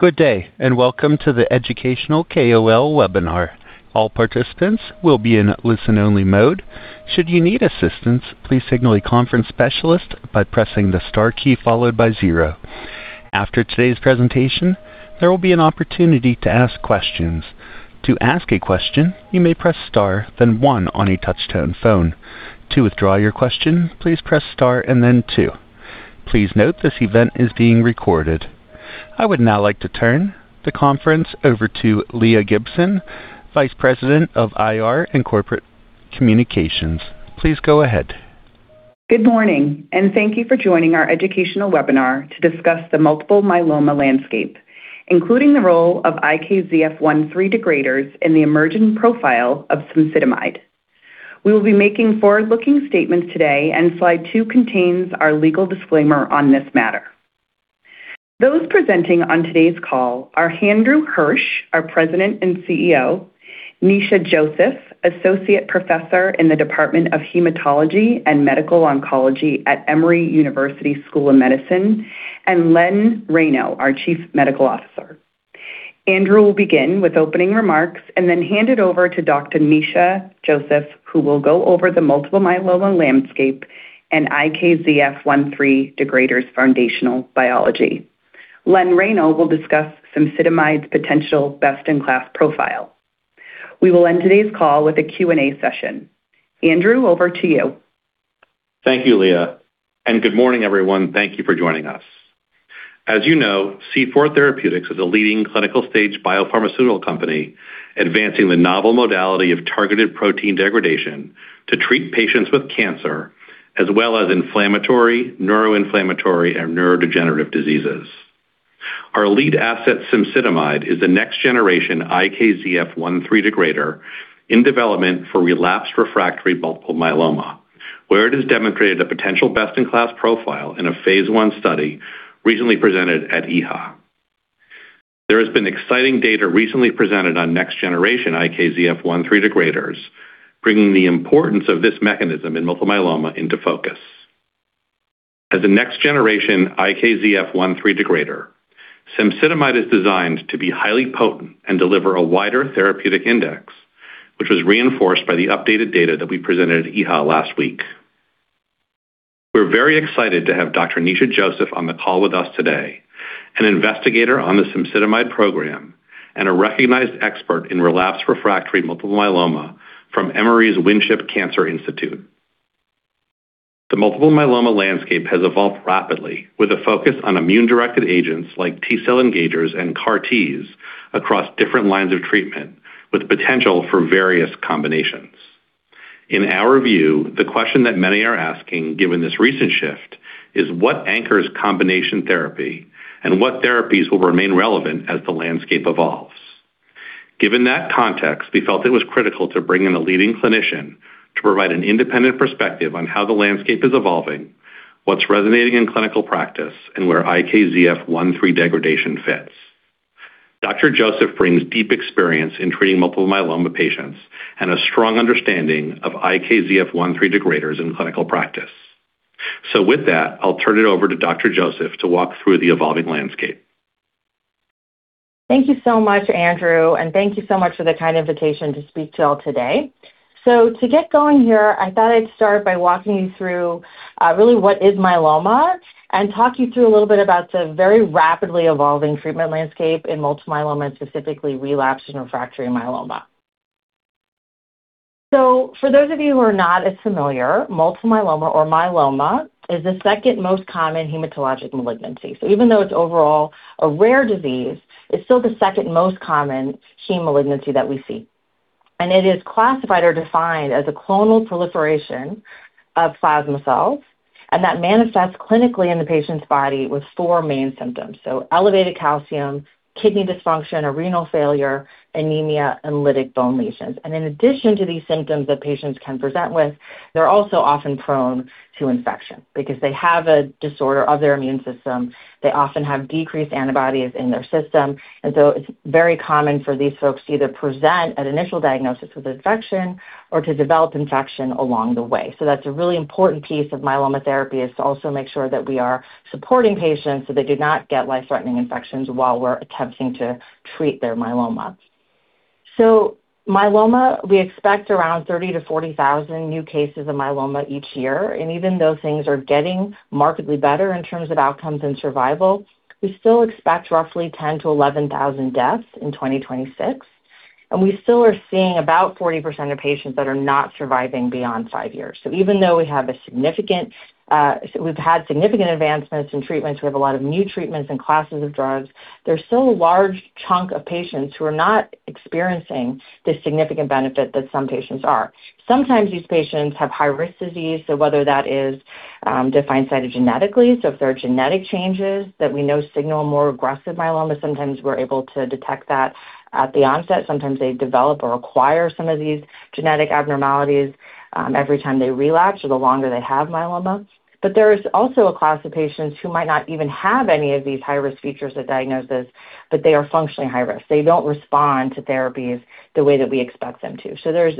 Good day. Welcome to the educational KOL webinar. All participants will be in listen-only mode. Should you need assistance. Please signal a conference specialist by pressing the star key, followed by zero. After today's presentation, there will be an opportunity to ask questions. To ask a question, you may press star, then one on a touch your phone. To withdraw your question, please press star and then two. Please note this event is being recorded. I would now like to turn the conference over to Leah Gibson, Vice President of IR and Corporate Communications. Please go ahead. Good morning. Thank you for joining our educational webinar to discuss the multiple myeloma landscape including the role of IKZF1/3 degraders in the emerging profile of cemsidomide. We will be making forward-looking statements today and slide two contains our legal disclaimer on this matter. Those presenting on today's call are Andrew Hirsch, our President and CEO, Nisha Joseph, Associate Professor in the Department of Hematology and Medical Oncology at Emory University School of Medicine, and Len Reyno, our Chief Medical Officer. Andrew will begin with opening remarks and then hand it over to Dr. Nisha Joseph, who will go over the multiple myeloma landscape and IKZF1/3 degraders foundational biology. Len Reyno will discuss cemsidomide's potential best-in-class profile. We will end today's call with a Q&A session. Andrew, over to you. Thank you, Leah. Good morning, everyone. Thank you for joining us. As you know C4 Therapeutics is a leading clinical stage biopharmaceutical company advancing the novel modality of targeted protein degradation to treat patients with cancer as well as inflammatory, neuroinflammatory, and neurodegenerative diseases. Our lead asset, cemsidomide is a next generation IKZF1/3 degrader in development for relapsed refractory multiple myeloma, where it has demonstrated a potential best-in-class profile in a phase I study recently presented at EHA. There has been exciting data recently presented on next generation IKZF1/3 degraders, bringing the importance of this mechanism in multiple myeloma into focus. As a next generation IKZF1/3 degrader, cemsidomide is designed to be highly potent and deliver a wider therapeutic index, which was reinforced by the updated data that we presented at EHA last week. We're very excited to have Dr. Nisha Joseph on the call with us today an investigator on the cemsidomide program and a recognized expert in relapsed refractory multiple myeloma from Emory's Winship Cancer Institute. The multiple myeloma landscape has evolved rapidly with a focus on immune-directed agents like T-cell engagers and CAR-Ts across different lines of treatment with potential for various combinations. In our view, the question that many are asking, given this recent shift, is what anchors combination therapy and what therapies will remain relevant as the landscape evolves. Given that context, we felt it was critical to bring in a leading clinician to provide an independent perspective on how the landscape is evolving, what's resonating in clinical practice, and where IKZF1/3 degradation fits. Dr. Joseph brings deep experience in treating multiple myeloma patients and a strong understanding of IKZF1/3 degraders in clinical practice. With that, I'll turn it over to Dr. Joseph to walk through the evolving landscape. Thank you so much Andrew, and thank you so much for the kind invitation to speak to you all today. To get going here, I thought I'd start by walking you through really what is myeloma and talk you through a little bit about the very rapidly evolving treatment landscape in multiple myeloma and specifically relapsed and refractory myeloma. For those of you who are not as familiar, multiple myeloma or myeloma is the second most common hematologic malignancy. Even though it's overall a rare disease, it's still the second most common heme malignancy that we see. It is classified or defined as a clonal proliferation of plasma cells, and that manifests clinically in the patient's body with four main symptoms. Elevated calcium, kidney dysfunction or renal failure, anemia, and lytic bone lesions. In addition to these symptoms that patients can present with, they're also often prone to infection because they have a disorder of their immune system. They often have decreased antibodies in their system. It's very common for these folks to either present at initial diagnosis with infection or to develop infection along the way. That's a really important piece of myeloma therapy is to also make sure that we are supporting patients so they do not get life-threatening infections while we're attempting to treat their myeloma. Myeloma, we expect around 30,000-40,000 new cases of myeloma each year. Even though things are getting markedly better in terms of outcomes and survival. We still expect roughly 10,000-11,000 deaths in 2026. We still are seeing about 40% of patients that are not surviving beyond five years. Even though we've had significant advancements in treatments, we have a lot of new treatments and classes of drugs. There's still a large chunk of patients who are not experiencing the significant benefit that some patients are. Sometimes these patients have high-risk disease. Whether that is defined cytogenetically, if there are genetic changes that we know signal more aggressive myeloma, sometimes we're able to detect that at the onset. Sometimes they develop or acquire some of these genetic abnormalities every time they relapse or the longer they have myeloma. There is also a class of patients who might not even have any of these high-risk features at diagnosis, but they are functionally high risk. They don't respond to therapies the way that we expect them to. There's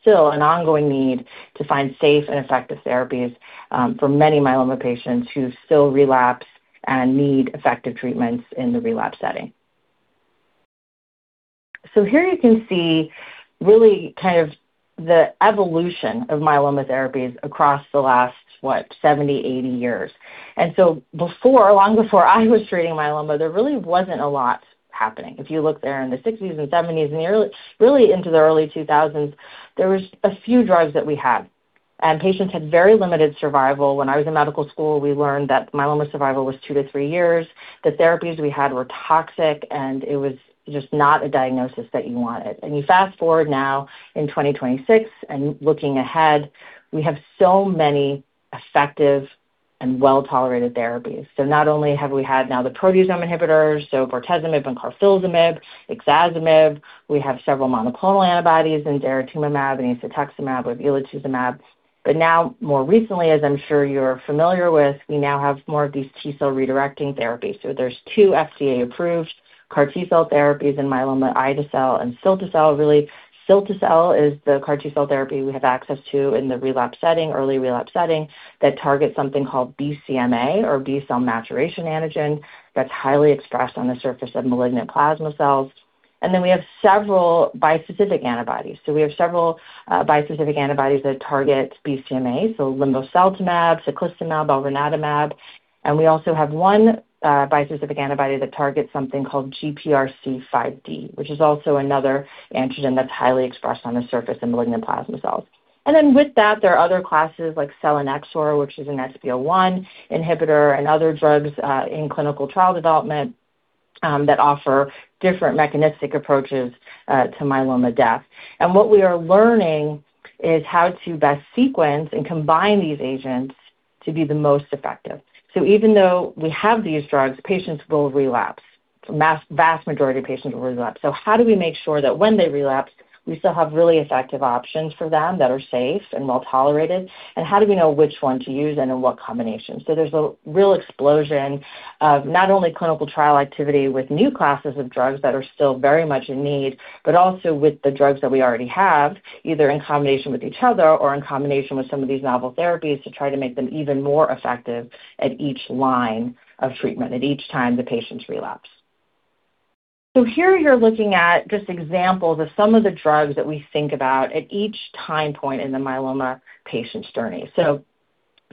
still an ongoing need to find safe and effective therapies for many myeloma patients who still relapse and need effective treatments in the relapse setting. Here you can see really the evolution of myeloma therapies across the last 70, 80 years. Long before I was treating myeloma, there really wasn't a lot happening. If you look there in the 60s and 70s and really into the early 2000s, there was a few drugs that we had, and patients had very limited survival. When I was in medical school, we learned that myeloma survival was two to three years. The therapies we had were toxic, and it was just not a diagnosis that you wanted. You fast-forward now in 2026 and looking ahead, we have so many effective and well-tolerated therapies. Not only have we had now the proteasome inhibitors, bortezomib and carfilzomib, ixazomib. We have several monoclonal antibodies in daratumumab, in isatuximab, with elotuzumab. Now more recently, as I'm sure you're familiar with, we now have more of these T-cell redirecting therapies. There's two FDA-approved CAR T-cell therapies in myeloma, ide-cel and cilta-cel. Really, cilta-cel is the CAR T-cell therapy we have access to in the early relapse setting that targets something called BCMA or B-cell maturation antigen that's highly expressed on the surface of malignant plasma cells. We have several bispecific antibodies. We have several bispecific antibodies that target BCMA, linvoseltamab, teclistamab, elranatamab, and we also have one bispecific antibody that targets something called GPRC5D, which is also another antigen that's highly expressed on the surface of malignant plasma cells. With that, there are other classes like selinexor, which is an XPO1 inhibitor and other drugs in clinical trial development that offer different mechanistic approaches to myeloma death. What we are learning is how to best sequence and combine these agents to be the most effective. Even though we have these drugs, patients will relapse. Vast majority of patients will relapse. How do we make sure that when they relapse, we still have really effective options for them that are safe and well-tolerated and how do we know which one to use and in what combination? There's a real explosion of not only clinical trial activity with new classes of drugs that are still very much in need but also with the drugs that we already have, either in combination with each other or in combination with some of these novel therapies to try to make them even more effective at each line of treatment, at each time the patients relapse. Here you're looking at just examples of some of the drugs that we think about at each time point in the myeloma patient's journey.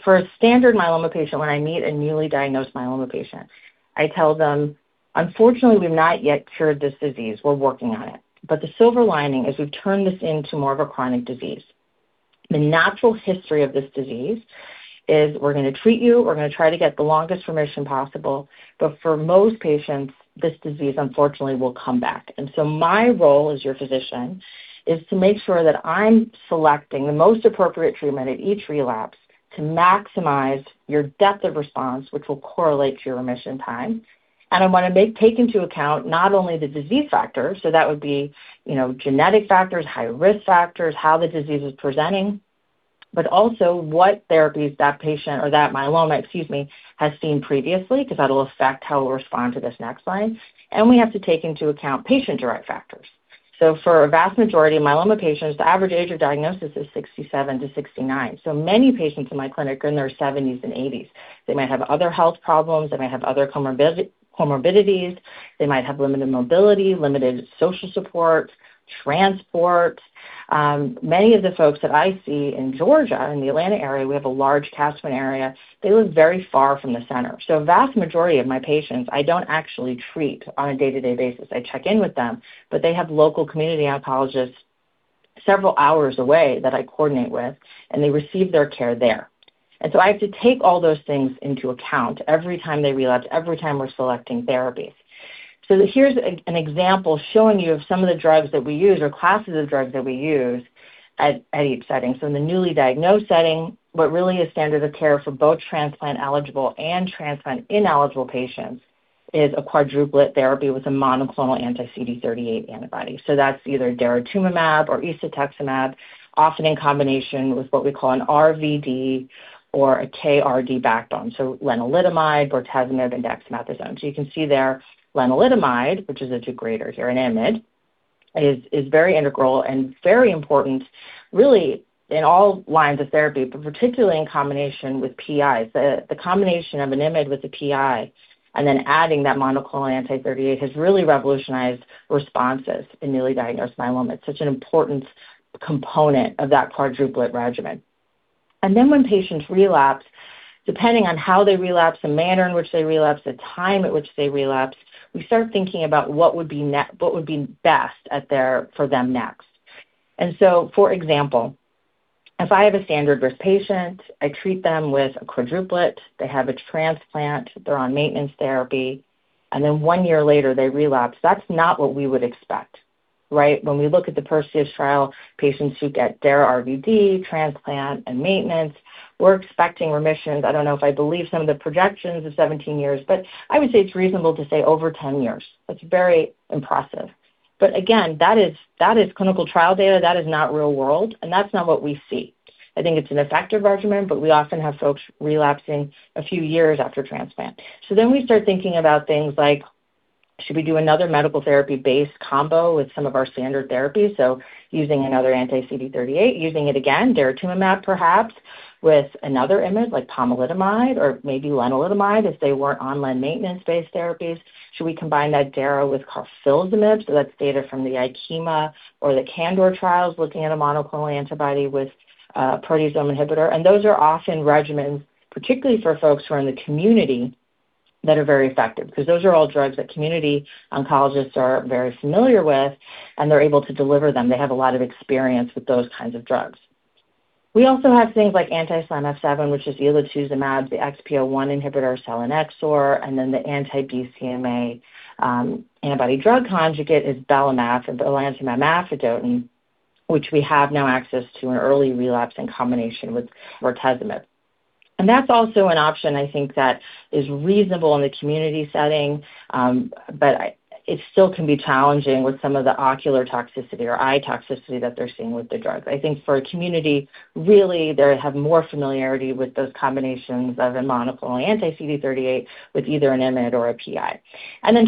For a standard myeloma patient, when I meet a newly diagnosed myeloma patient. I tell them, "Unfortunately, we've not yet cured this disease. We're working on it. The silver lining is we've turned this into more of a chronic disease. The natural history of this disease is we're going to treat you, we're going to try to get the longest remission possible. For most patients, this disease unfortunately will come back. My role as your physician is to make sure that I'm selecting the most appropriate treatment at each relapse to maximize your depth of response, which will correlate to your remission time. I want to take into account not only the disease factors, so that would be genetic factors, high risk factors, how the disease is presenting, but also what therapies that myeloma has seen previously because that'll affect how it will respond to this next line. We have to take into account patient-derived factors." For a vast majority of myeloma patients, the average age of diagnosis is 67-69. Many patients in my clinic are in their 70s and 80s. They might have other health problems. They might have other comorbidities. They might have limited mobility, limited social support, transport. Many of the folks that I see in Georgia, in the Atlanta area, we have a large catchment area. They live very far from the center. A vast majority of my patients, I don't actually treat on a day-to-day basis. I check in with them, but they have local community oncologists several hours away that I coordinate with, and they receive their care there. I have to take all those things into account every time they relapse, every time we're selecting therapies. Here's an example showing you of some of the drugs that we use or classes of drugs that we use at each setting. In the newly diagnosed setting, what really is standard of care for both transplant-eligible and transplant-ineligible patients is a quadruplet therapy with a monoclonal anti-CD38 antibody. That's either daratumumab or isatuximab, often in combination with what we call an RVD or a KRd backbone, so lenalidomide, bortezomib, and dexamethasone. You can see there, lenalidomide, which is a degrader here an IMiD, is very integral and very important, really in all lines of therapy but particularly in combination with PI. The combination of an IMiD with a PI and then adding that monoclonal anti-CD38 has really revolutionized responses in newly diagnosed myeloma. It's such an important component of that quadruplet regimen. When patients relapse, depending on how they relapse, the manner in which they relapse, the time at which they relapse, we start thinking about what would be best for them next. For example, if I have a standard-risk patient, I treat them with a quadruplet. They have a transplant. They're on maintenance therapy. One year later, they relapse. That's not what we would expect, right? When we look at the PERSEUS Trial, patients who get Dara-RVd, transplant, and maintenance, we're expecting remissions. I don't know if I believe some of the projections of 17 years, but I would say it's reasonable to say over 10 years. That's very impressive. Again, that is clinical trial data. That is not real-world, and that's not what we see. I think it's an effective regimen, but we often have folks relapsing a few years after transplant. We start thinking about things like, should we do another medical therapy-based combo with some of our standard therapies? Using another anti-CD38, using it again daratumumab perhaps. With another IMiD like pomalidomide or maybe lenalidomide, if they weren't on len maintenance-based therapies, should we combine that dara with carfilzomib? That's data from the IKEMA or the CANDOR trials looking at a monoclonal antibody with a proteasome inhibitor. Those are often regimens, particularly for folks who are in the community, that are very effective, because those are all drugs that community oncologists are very familiar with, and they're able to deliver them. They have a lot of experience with those kinds of drugs. We also have things like anti-SLAMF7, which is elotuzumab, the XPO1 inhibitor selinexor, and then the anti-BCMA antibody drug conjugate is belantamab mafodotin, which we have now access to in early relapse in combination with bortezomib. That's also an option, I think that is reasonable in the community setting, but it still can be challenging with some of the ocular toxicity or eye toxicity that they're seeing with the drugs. I think for a community really, they have more familiarity with those combinations of a monoclonal anti-CD38 with either an IMiD or a PI.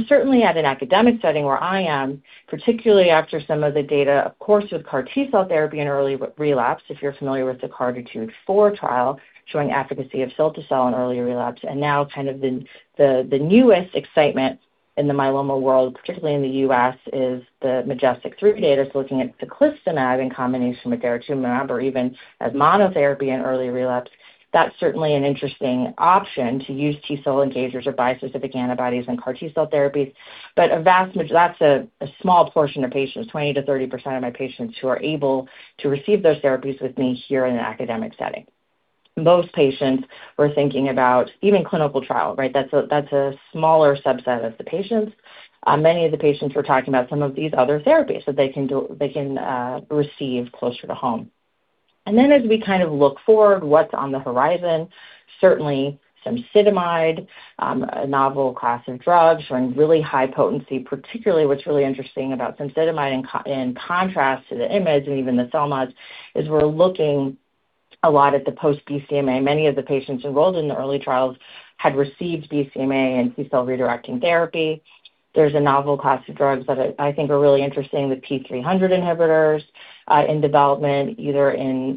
Certainly at an academic setting where I am, particularly after some of the data. Of course, with CAR T-cell therapy in early relapse, if you're familiar with the CARTITUDE-4 trial showing efficacy of cilta-cel in early relapse. Now the newest excitement in the myeloma world, particularly in the U.S., is the MajesTEC-3 data. Looking at teclistamab in combination with daratumumab or even as monotherapy in early relapse. That's certainly an interesting option to use T-cell engagers or bispecific antibodies and CAR T-cell therapies. That's a small portion of patients 20%-30% of my patients who are able to receive those therapies with me here in an academic setting. Most patients we're thinking about even clinical trial, right? That's a smaller subset of the patients. Many of the patients we're talking about some of these other therapies that they can receive closer to home. As we look forward, what's on the horizon, certainly some cemsidomide, a novel class of drugs showing really high potency. Particularly what's really interesting about some cemsidomide in contrast to the IMiDs and even the CELMoDs is we're looking a lot at the post-BCMA. Many of the patients enrolled in the early trials had received BCMA and T-cell redirecting therapy. There's a novel class of drugs that I think are really interesting, the p300 inhibitors in development,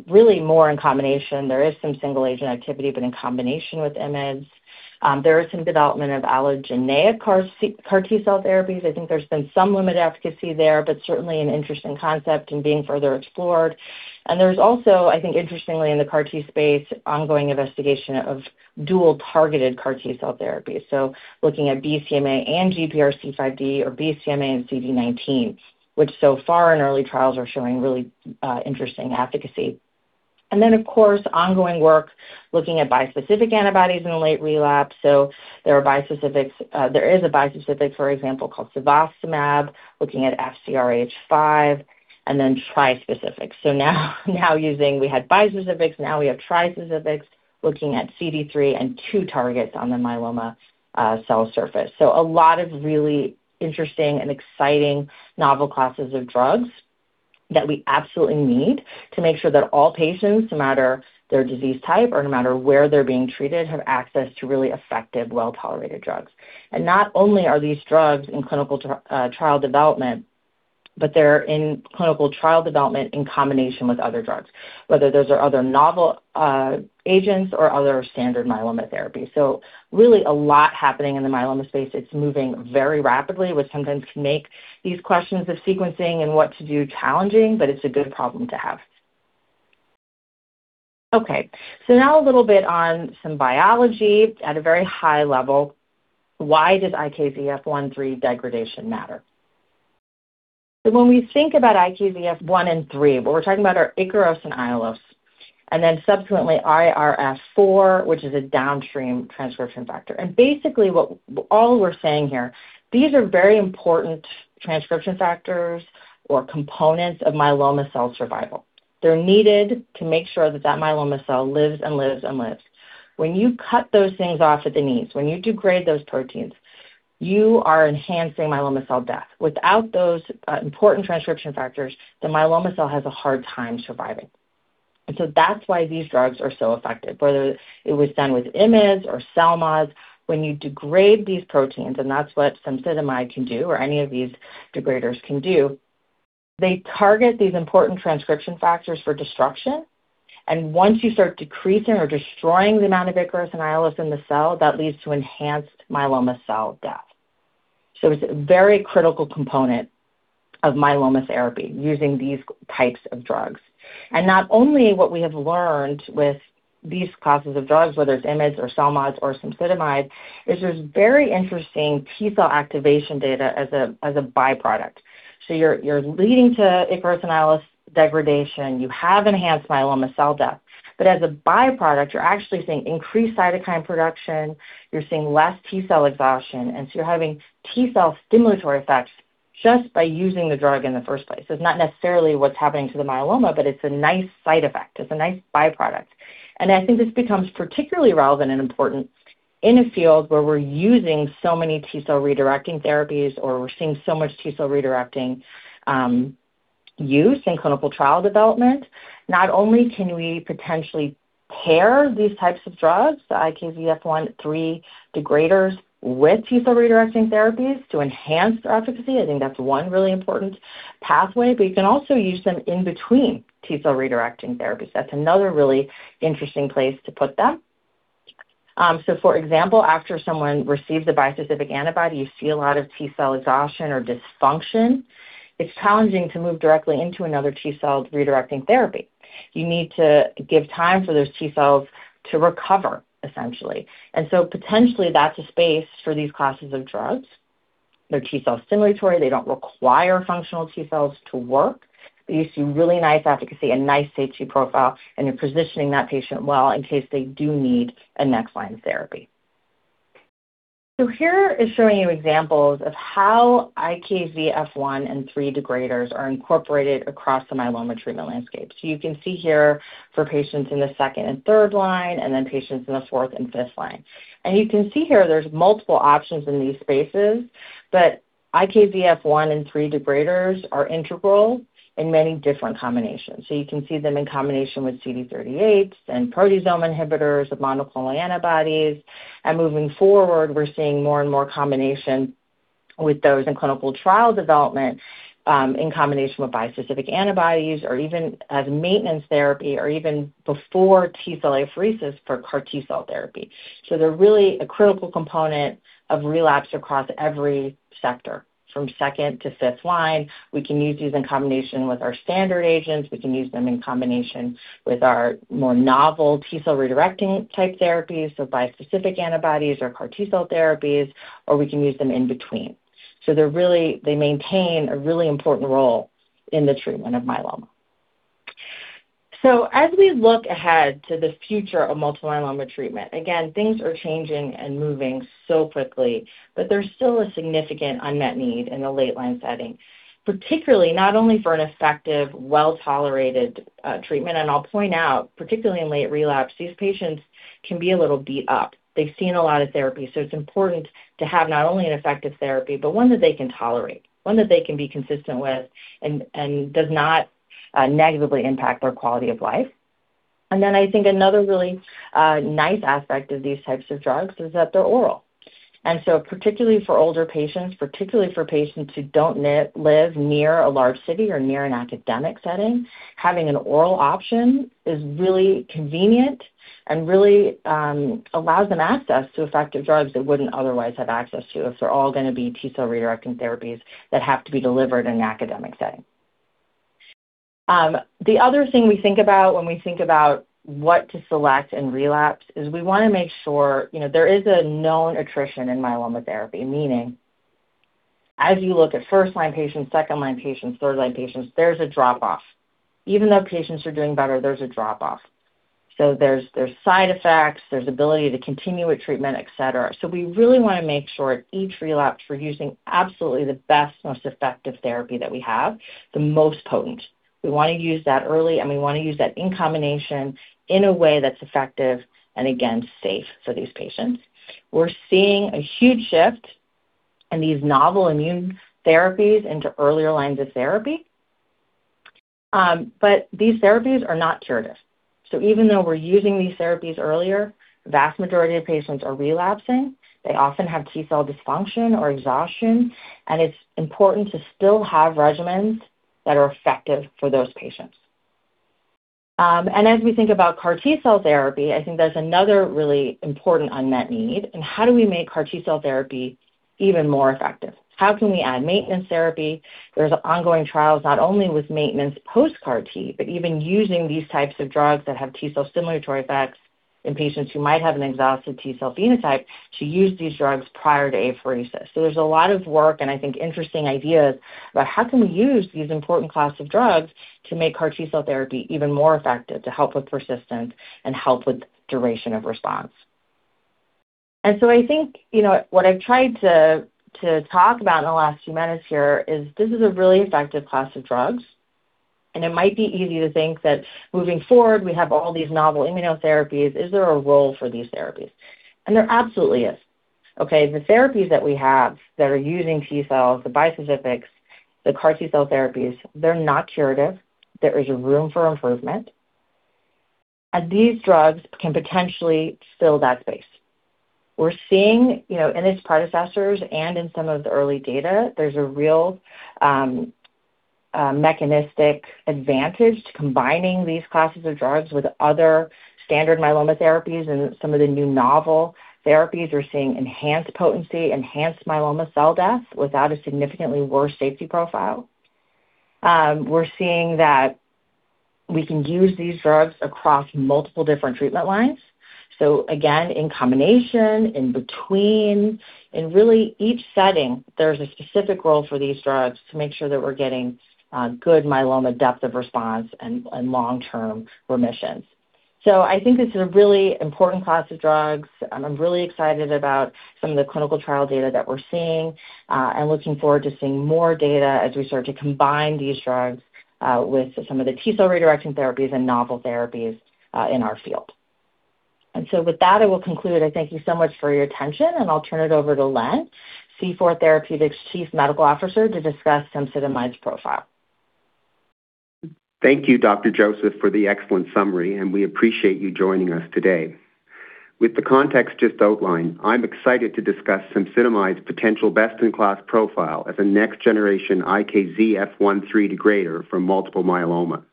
really more in combination. There is some single-agent activity but in combination with IMiDs. There is some development of allogeneic CAR T-cell therapies. I think there's been some limited efficacy there but certainly an interesting concept and being further explored. There's also, I think interestingly in the CAR T space, ongoing investigation of dual targeted CAR T-cell therapies. Looking at BCMA and GPRC5D or BCMA and CD19, which so far in early trials are showing really interesting efficacy. Of course, ongoing work looking at bispecific antibodies in late relapse. There is a bispecific, for example, called cevostamab, looking at FcRH5 and then trispecifics. We had bispecifics, now we have trispecifics, looking at CD3 and two targets on the myeloma cell surface. A lot of really interesting and exciting novel classes of drugs that we absolutely need to make sure that all patients, no matter their disease type or no matter where they're being treated have access to really effective well-tolerated drugs. Not only are these drugs in clinical trial development, but they're in clinical trial development in combination with other drugs. Whether those are other novel agents or other standard myeloma therapy. Really a lot happening in the myeloma space. It's moving very rapidly, which sometimes can make these questions of sequencing and what to do challenging, but it's a good problem to have. Okay, now a little bit on some biology at a very high level. Why does IKZF1/3 degradation matter? When we think about IKZF1/3, what we're talking about are Ikaros and Aiolos, then subsequently IRF4, which is a downstream transcription factor. Basically all we're saying here, these are very important transcription factors or components of myeloma cell survival. They're needed to make sure that myeloma cell lives and lives and lives. When you cut those things off at the knees, when you degrade those proteins, you are enhancing myeloma cell death. Without those important transcription factors, the myeloma cell has a hard time surviving. That's why these drugs are so effective, whether it was done with IMiDs or CELMoDs. When you degrade these proteins, that's what cemsidomide can do or any of these degraders can do, they target these important transcription factors for destruction. Once you start decreasing or destroying the amount of Ikaros and Aiolos in the cell, that leads to enhanced myeloma cell death. It's a very critical component of myeloma therapy using these types of drugs. Not only what we have learned with these classes of drugs, whether it's IMiDs or CELMoDs or cemsidomide, there's very interesting T-cell activation data as a byproduct. You're leading to Ikaros and Aiolos degradation. You have enhanced myeloma cell death. As a byproduct, you're actually seeing increased cytokine production. You're seeing less T-cell exhaustion. You're having T-cell stimulatory effects just by using the drug in the first place. It's not necessarily what's happening to the myeloma, but it's a nice side effect. It's a nice byproduct. I think this becomes particularly relevant and important in a field where we're using so many T-cell redirecting therapies, or we're seeing so much T-cell redirecting use in clinical trial development. Not only can we potentially pair these types of drugs, the IKZF1/3 degraders with T-cell redirecting therapies to enhance their efficacy, I think that's one really important pathway, you can also use them in between T-cell redirecting therapies. That's another really interesting place to put them. For example, after someone receives a bispecific antibody you see a lot of T-cell exhaustion or dysfunction. It's challenging to move directly into another T-cell redirecting therapy. You need to give time for those T-cells to recover, essentially. Potentially, that's a space for these classes of drugs. They're T-cell stimulatory. They don't require functional T-cells to work, but you see really nice efficacy a nice safety profile and you're positioning that patient well in case they do need a next-line therapy. Here is showing you examples of how IKZF1/3 degraders are incorporated across the myeloma treatment landscape. You can see here for patients in the second and third line, patients in the fourth and fifth line. You can see here there's multiple options in these spaces, but IKZF1/3 degraders are integral in many different combinations. You can see them in combination with CD38s and proteasome inhibitors with monoclonal antibodies. Moving forward, we're seeing more and more combinations with those in clinical trial development in combination with bispecific antibodies or even as maintenance therapy or even before T-cell apheresis for CAR T-cell therapy. They're really a critical component of relapse across every sector. From second to fifth line, we can use these in combination with our standard agents. We can use them in combination with our more novel T-cell redirecting type therapies, bispecific antibodies or CAR T-cell therapies, or we can use them in between. They maintain a really important role in the treatment of myeloma. As we look ahead to the future of multiple myeloma treatment. Again, things are changing and moving so quickly, but there's still a significant unmet need in the late-line setting, particularly not only for an effective, well-tolerated treatment. I'll point out, particularly in late relapse, these patients can be a little beat up. They've seen a lot of therapy, it's important to have not only an effective therapy, but one that they can tolerate one that they can be consistent with and does not negatively impact their quality of life. I think another really nice aspect of these types of drugs is that they're oral. Particularly for older patients, particularly for patients who don't live near a large city or near an academic setting, having an oral option is really convenient and really allows them access to effective drugs they wouldn't otherwise have access to if they're all going to be T-cell redirecting therapies that have to be delivered in an academic setting. The other thing we think about when we think about what to select in relapse is we want to make sure, there is a known attrition in myeloma therapy, meaning as you look at first-line patients, second-line patients, third-line patients, there's a drop-off. Even though patients are doing better, there's a drop-off. There's side effects, there's ability to continue with treatment, et cetera. We really want to make sure at each relapse, we're using absolutely the best, most effective therapy that we have, the most potent. We want to use that early, we want to use that in combination in a way that's effective and, again, safe for these patients. We're seeing a huge shift in these novel immune therapies into earlier lines of therapy. These therapies are not curative. Even though we're using these therapies earlier, the vast majority of patients are relapsing. They often have T-cell dysfunction or exhaustion, it's important to still have regimens that are effective for those patients. As we think about CAR T-cell therapy, I think that's another really important unmet need, and how do we make CAR T-cell therapy even more effective? How can we add maintenance therapy? There's ongoing trials not only with maintenance post-CAR T but even using these types of drugs that have T-cell stimulatory effects in patients who might have an exhausted T-cell phenotype to use these drugs prior to apheresis. There's a lot of work and I think interesting ideas about how can we use these important class of drugs to make CAR T-cell therapy even more effective, to help with persistence and help with duration of response. I think what I've tried to talk about in the last few minutes here is this is a really effective class of drugs, it might be easy to think that moving forward, we have all these novel immunotherapies. Is there a role for these therapies? There absolutely is. The therapies that we have that are using T-cells, the bispecifics, the CAR T-cell therapies, they're not curative. There is room for improvement. These drugs can potentially fill that space. We're seeing, in its predecessors and in some of the early data, there's a real mechanistic advantage to combining these classes of drugs with other standard myeloma therapies and some of the new novel therapies. We're seeing enhanced potency, enhanced myeloma cell death, without a significantly worse safety profile. We're seeing that we can use these drugs across multiple different treatment lines. Again, in combination, in between, in really each setting, there's a specific role for these drugs to make sure that we're getting good myeloma depth of response and long-term remissions. So, I think, it's a really important class of drugs, and I'm really excited about the clinical trial data that we're seeing. I'm looking forward to seeing more data as we start to combine these drugs with some of the T-cell redirecting therapies and novel therapies in our field. With that, I will conclude. I thank you so much for your attention, and I'll turn it over to Len, C4 Therapeutics Chief Medical Officer to discuss cemsidomide's profile. Thank you, Dr. Joseph, for the excellent summary, we appreciate you joining us today. With the context just outlined, I'm excited to discuss cemsidomide's potential best-in-class profile as a next generation IKZF1/3 degrader for multiple myeloma.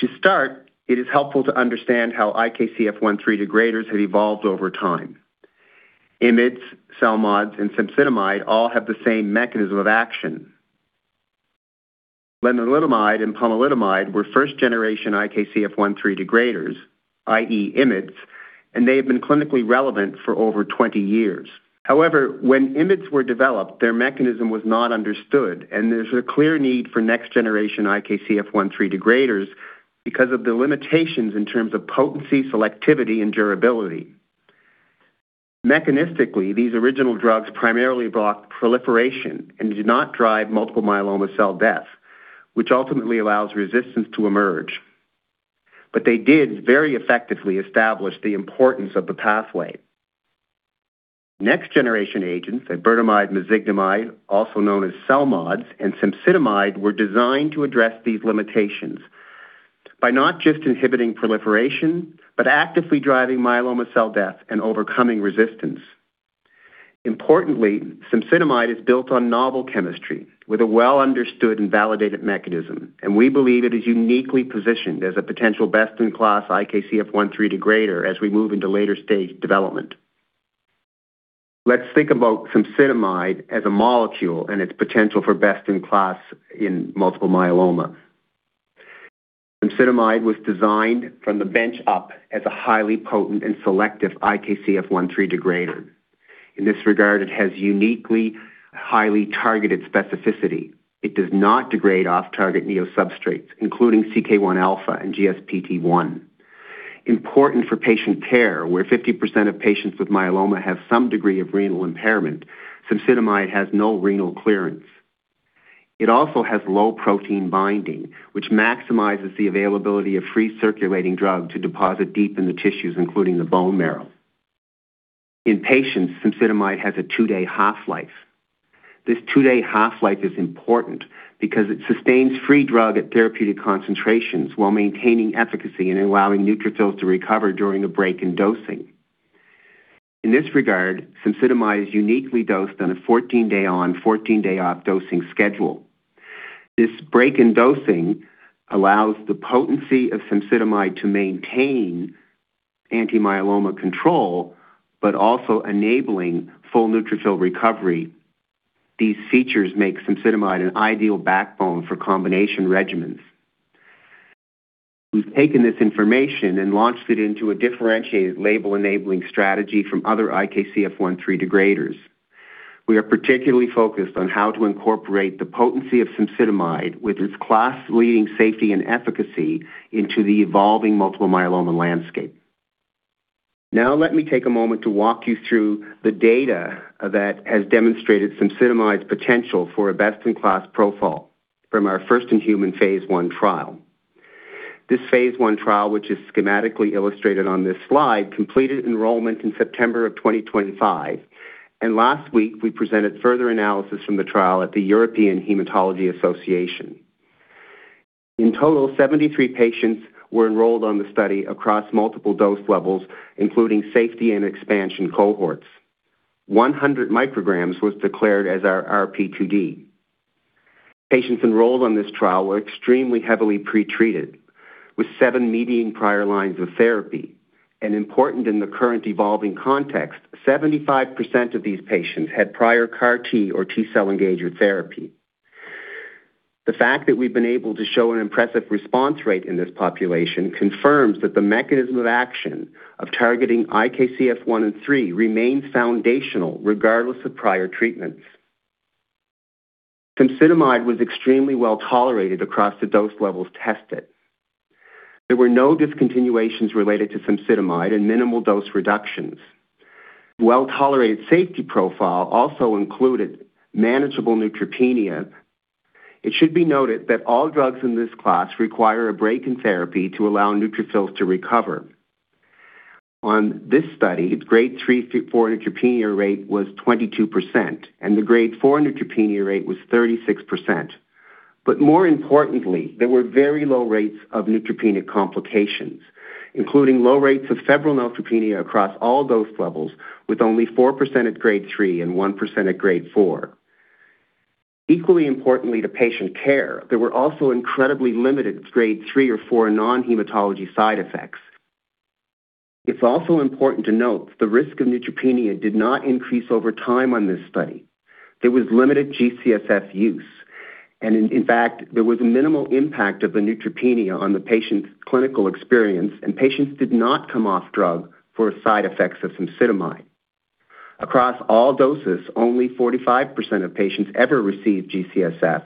To start, it is helpful to understand how IKZF1/3 degraders have evolved over time. IMiDs, CELMoDs, and cemsidomide all have the same mechanism of action. Lenalidomide and pomalidomide were first-generation IKZF1/3 degraders i.e., IMiDs, they have been clinically relevant for over 20 years. However, when IMiDs were developed their mechanism was not understood, there's a clear need for next generation IKZF1/3 degraders because of the limitations in terms of potency, selectivity, and durability. Mechanistically, these original drugs primarily block proliferation and do not drive multiple myeloma cell death, which ultimately allows resistance to emerge. They did very effectively establish the importance of the pathway. Next-generation agents, iberdomide, mezigdomide, also known as CELMoDs, and cemsidomide, were designed to address these limitations by not just inhibiting proliferation, but actively driving myeloma cell death and overcoming resistance. Importantly, cemsidomide is built on novel chemistry with a well-understood and validated mechanism, and we believe it is uniquely positioned as a potential best-in-class IKZF1/3 degrader as we move into later-stage development. Let's think about cemsidomide as a molecule and its potential for best-in-class in multiple myeloma. Cemsidomide was designed from the bench up as a highly potent and selective IKZF1/3 degrader. In this regard, it has uniquely highly targeted specificity. It does not degrade off-target neo-substrates, including CK1α and GSPT1. Important for patient care, where 50% of patients with myeloma have some degree of renal impairment, cemsidomide has no renal clearance. It also has low protein binding, which maximizes the availability of free circulating drug to deposit deep in the tissues, including the bone marrow. In patients, cemsidomide has a two-day half-life. This two-day half-life is important because it sustains free drug at therapeutic concentrations while maintaining efficacy and allowing neutrophils to recover during a break in dosing. In this regard, cemsidomide is uniquely dosed on a 14-day on, 14-day off dosing schedule. This break in dosing allows the potency of cemsidomide to maintain anti-myeloma control, but also enabling full neutrophil recovery. These features make cemsidomide an ideal backbone for combination regimens. We've taken this information and launched it into a differentiated label-enabling strategy from other IKZF1/3 degraders. We are particularly focused on how to incorporate the potency of cemsidomide with its class-leading safety and efficacy into the evolving multiple myeloma landscape. Now let me take a moment to walk you through the data that has demonstrated cemsidomide's potential for a best-in-class profile from our first-in-human phase I trial. This phase I trial, which is schematically illustrated on this slide, completed enrollment in September of 2025, and last week, we presented further analysis from the trial at the European Hematology Association. In total, 73 patients were enrolled on the study across multiple dose levels, including safety and expansion cohorts. 100 micrograms was declared as our RP2D. Patients enrolled on this trial were extremely heavily pre-treated with 7 median prior lines of therapy. Important in the current evolving context, 75% of these patients had prior CAR T or T-cell engager therapy. The fact that we've been able to show an impressive response rate in this population confirms that the mechanism of action of targeting IKZF1 and three remains foundational regardless of prior treatments. Cemsidomide was extremely well-tolerated across the dose levels tested. There were no discontinuations related to cemsidomide and minimal dose reductions. Well-tolerated safety profile also included manageable neutropenia. It should be noted that all drugs in this class require a break in therapy to allow neutrophils to recover. On this study, grade 3 to 4 neutropenia rate was 22%, and the grade 4 neutropenia rate was 36%. But more importantly, there were very low rates of neutropenic complications. Including low rates of febrile neutropenia across all dose levels, with only 4% at grade 3 and 1% at grade 4. Equally importantly to patient care, there were also incredibly limited grade 3 or 4 non-hematology side effects. It's also important to note the risk of neutropenia did not increase over time on this study. There was limited G-CSF use. In fact, there was minimal impact of the neutropenia on the patient's clinical experience, and patients did not come off drug for side effects of cemsidomide. Across all doses, only 45% of patients ever received G-CSF.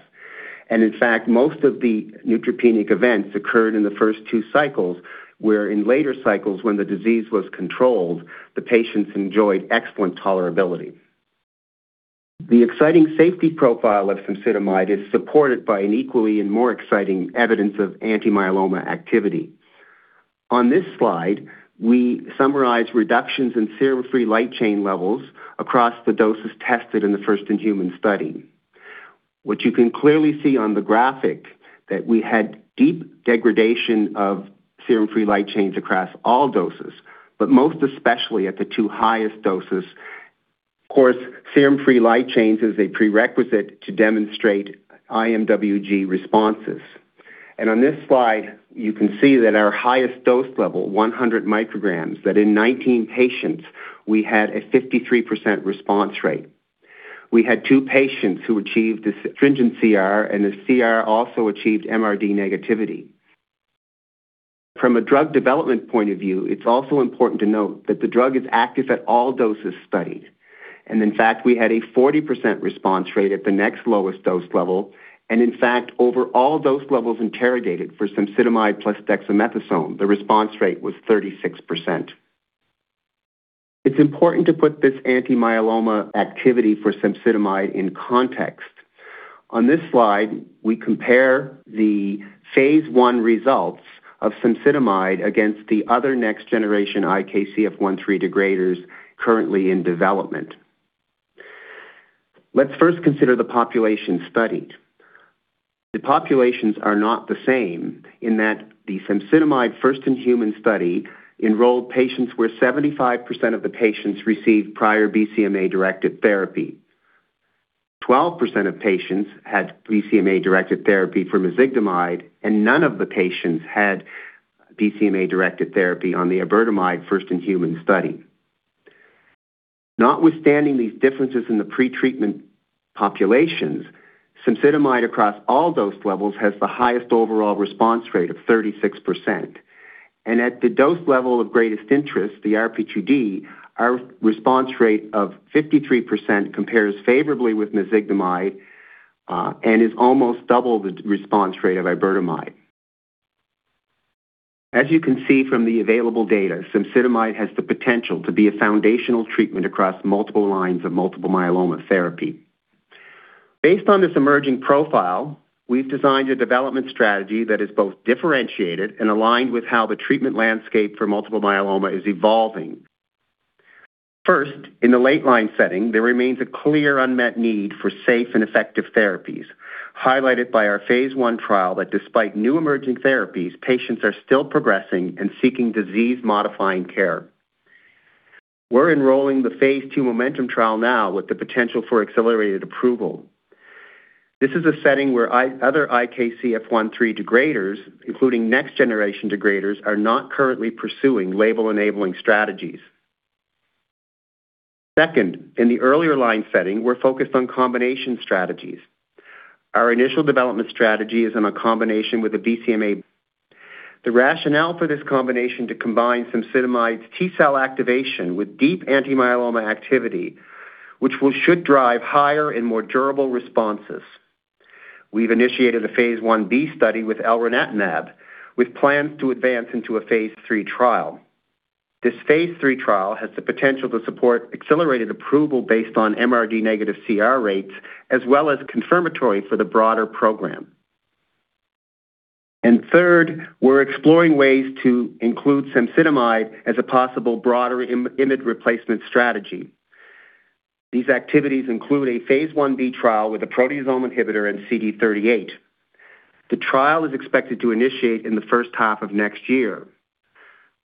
In fact, most of the neutropenic events occurred in the first two cycles, where in later cycles when the disease was controlled, the patients enjoyed excellent tolerability. The exciting safety profile of cemsidomide is supported by an equally and more exciting evidence of anti-myeloma activity. On this slide, we summarize reductions in serum free light chain levels across the doses tested in the first-in-human study. What you can clearly see on the graphic that we had deep degradation of serum free light chains across all doses, but most especially at the two highest doses. Of course, serum-free light chains is a prerequisite to demonstrate IMWG responses. On this slide, you can see that our highest dose level, 100 micrograms, that in 19 patients, we had a 53% response rate. We had two patients who achieved this stringent CR, and the CR also achieved MRD negativity. From a drug development point of view, it's also important to note that the drug is active at all doses studied. In fact, we had a 40% response rate at the next lowest dose level. In fact, over all dose levels interrogated for cemsidomide plus dexamethasone, the response rate was 36%. It's important to put this anti-myeloma activity for cemsidomide in context. On this slide, we compare the phase I results of cemsidomide against the other next generation IKZF1/3 degraders currently in development. Let's first consider the population studied. The populations are not the same in that the cemsidomide first-in-human study enrolled patients where 75% of the patients received prior BCMA-directed therapy. 12% of patients had BCMA-directed therapy for mezigdomide, and none of the patients had BCMA-directed therapy on the iberdomide first-in-human study. Notwithstanding these differences in the pretreatment populations, cemsidomide across all dose levels has the highest overall response rate of 36%. At the dose level of greatest interest, the RP2D, our response rate of 53% compares favorably with mezigdomide, and is almost double the response rate of iberdomide. As you can see from the available data, cemsidomide has the potential to be a foundational treatment across multiple lines of multiple myeloma therapy. Based on this emerging profile, we've designed a development strategy that is both differentiated and aligned with how the treatment landscape for multiple myeloma is evolving. First, in the late-line setting, there remains a clear unmet need for safe and effective therapies, highlighted by our phase I trial that despite new emerging therapies, patients are still progressing and seeking disease-modifying care. We're enrolling the phase II MOMENTUM Trial now with the potential for accelerated approval. This is a setting where other IKZF1/3 degraders, including next generation degraders, are not currently pursuing label-enabling strategies. Second, in the earlier line setting, we're focused on combination strategies. Our initial development strategy is in a combination with a BCMA. The rationale for this combination to combine cemsidomide T-cell activation with deep anti-myeloma activity, which should drive higher and more durable responses. We've initiated a phase I-B study with elranatamab with plans to advance into a phase III trial. This phase III trial has the potential to support accelerated approval based on MRD negative CR rates, as well as confirmatory for the broader program. Third, we're exploring ways to include cemsidomide as a possible broader IMiD replacement strategy. These activities include a phase I-B trial with a proteasome inhibitor and CD38. The trial is expected to initiate in the first half of next year.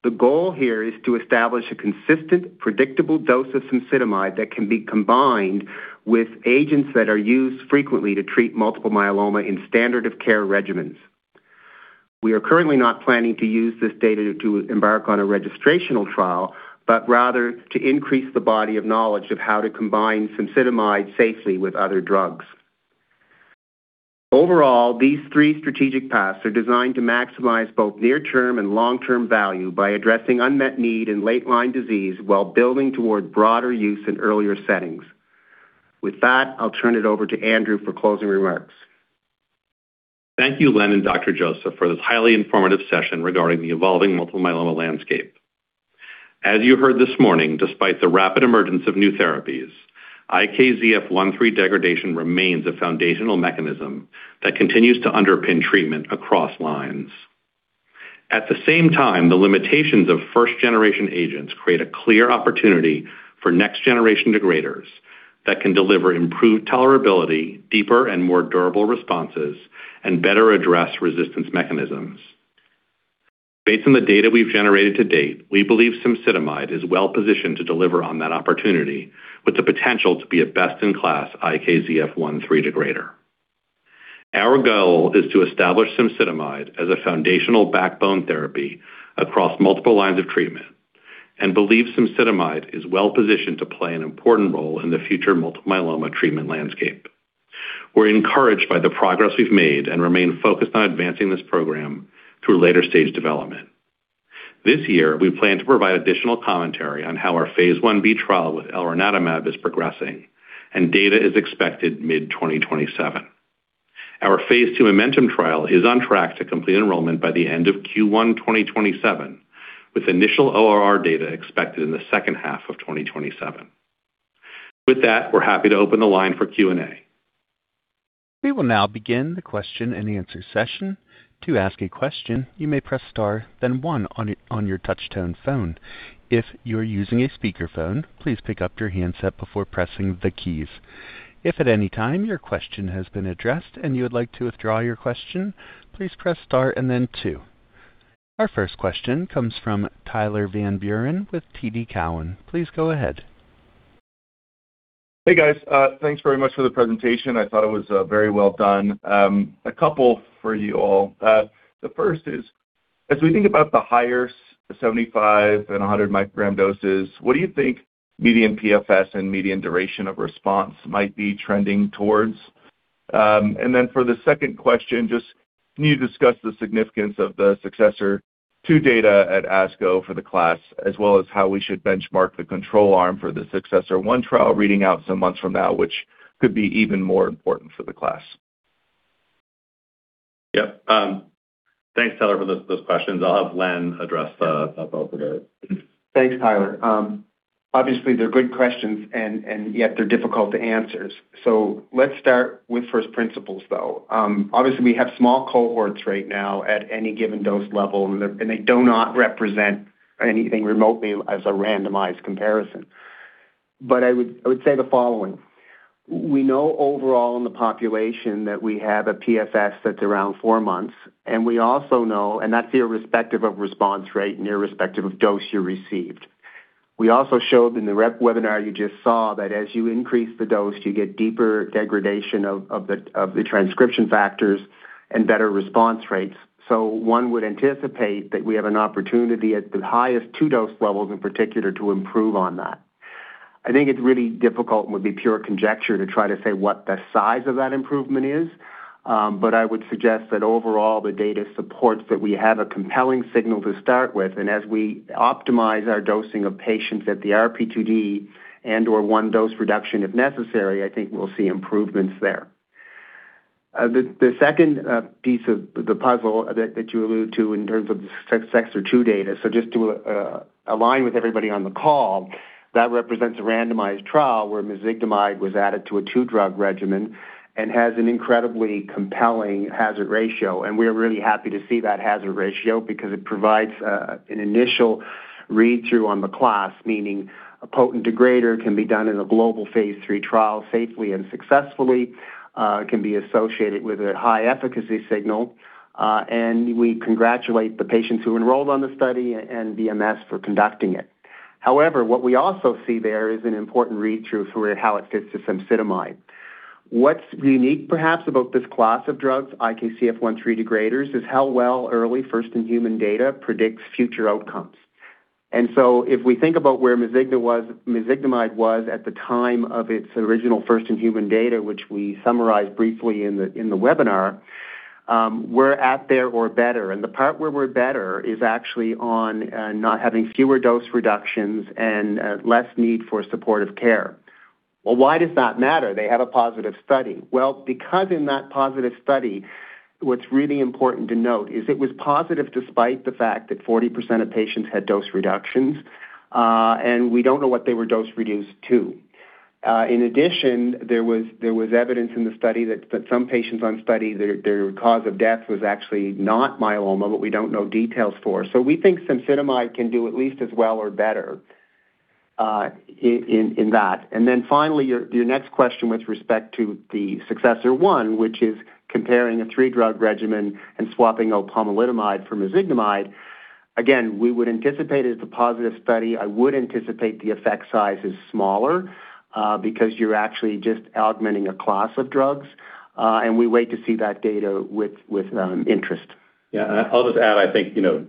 The goal here is to establish a consistent, predictable dose of cemsidomide that can be combined with agents that are used frequently to treat multiple myeloma in standard-of-care regimens. We are currently not planning to use this data to embark on a registrational trial, but rather to increase the body of knowledge of how to combine cemsidomide safely with other drugs. Overall, these three strategic paths are designed to maximize both near-term and long-term value by addressing unmet need in late-line disease while building toward broader use in earlier settings. With that, I'll turn it over to Andrew for closing remarks. Thank you, Len and Dr. Joseph, for this highly informative session regarding the evolving multiple myeloma landscape. As you heard this morning, despite the rapid emergence of new therapies, IKZF1/3 degradation remains a foundational mechanism that continues to underpin treatment across lines. At the same time, the limitations of first-generation agents create a clear opportunity for next-generation degraders that can deliver improved tolerability, deeper and more durable responses, and better address resistance mechanisms. Based on the data we've generated to date, we believe cemsidomide is well-positioned to deliver on that opportunity with the potential to be a best-in-class IKZF1/3 degrader. Our goal is to establish cemsidomide as a foundational backbone therapy across multiple lines of treatment and believe cemsidomide is well-positioned to play an important role in the future multiple myeloma treatment landscape. We're encouraged by the progress we've made and remain focused on advancing this program through later-stage development. This year, we plan to provide additional commentary on how our phase I-B trial with elranatamab is progressing, and data is expected mid-2027. Our phase II MOMENTUM Trial is on track to complete enrollment by the end of Q1 2027, with initial ORR data expected in the second half of 2027. With that, we're happy to open the line for Q&A. We will now begin the question and answer session. To ask a question, you may press star then one on your touch-tone phone. If you are using a speakerphone, please pick up your handset before pressing the keys. If at any time your question has been addressed and you would like to withdraw your question, please press star and then two. Our first question comes from Tyler Van Buren with TD Cowen. Please go ahead. Hey, guys. Thanks very much for the presentation. I thought it was very well done. A couple for you all. The first is, as we think about the higher 75 and 100 microgram doses, what do you think median PFS and median duration of response might be trending towards? For the second question, just can you discuss the significance of the SUCCESSOR-2 data at ASCO for the class, as well as how we should benchmark the control arm for the SUCCESSOR-1 trial reading out some months from now, which could be even more important for the class? Yeah. Thanks Tyler, for those questions. I'll have Len address both of those. Thanks, Tyler. They're good questions, yet they're difficult to answer. Let's start with first principles, though. We have small cohorts right now at any given dose level, they do not represent anything remotely as a randomized comparison. I would say the following. We know overall in the population that we have a PFS that's around four months, that's irrespective of response rate and irrespective of dose you received. We also showed in the webinar you just saw that as you increase the dose, you get deeper degradation of the transcription factors and better response rates. One would anticipate that we have an opportunity at the highest two dose levels in particular to improve on that. I think it's really difficult and would be pure conjecture to try to say what the size of that improvement is. I would suggest that overall, the data supports that we have a compelling signal to start with as we optimize our dosing of patients at the RP2D and one dose reduction if necessary, I think we'll see improvements there. The second piece of the puzzle that you allude to in terms of the SUCCESSOR-2 data, just to align with everybody on the call, that represents a randomized trial where mezigdomide was added to a 2-drug regimen has an incredibly compelling hazard ratio. We are really happy to see that hazard ratio because it provides an initial read-through on the class, meaning a potent degrader can be done in a global phase III trial safely and successfully, can be associated with a high efficacy signal. We congratulate the patients who enrolled on the study and BMS for conducting it. However, what we also see there is an important read-through for how it fits to cemsidomide. What's unique perhaps about this class of drugs, IKZF1/3 degraders, is how well early first-in-human data predicts future outcomes. If we think about where mezigdomide was at the time of its original first-in-human data, which we summarized briefly in the webinar, we're at there or better, the part where we're better is actually on not having fewer dose reductions and less need for supportive care. Why does that matter? They have a positive study. Because in that positive study, what's really important to note is it was positive despite the fact that 40% of patients had dose reductions, we don't know what they were dose reduced to. In addition, there was evidence in the study that some patients on study, their cause of death was actually not myeloma, but we don't know details for. We think cemsidomide can do at least as well or better in that. Finally, your next question with respect to the SUCCESSOR-1, which is comparing a three-drug regimen and swapping pomalidomide for mezigdomide. We would anticipate it as a positive study. I would anticipate the effect size is smaller because you're actually just augmenting a class of drugs, and we wait to see that data with interest. Yeah. I'll just add, I think, the